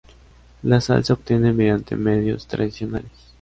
La sal se obtiene mediante medios tradicionales.